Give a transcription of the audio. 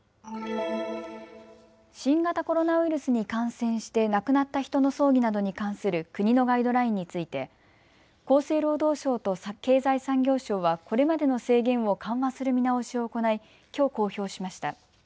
新型コロナウイルスに感染して亡くなった人の葬儀などに関する国のガイドラインについて厚生労働省と経済産業省はこれまでの制限を緩和する見直しを行いきょう公表しました。